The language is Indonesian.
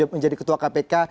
menjadi ketua kpk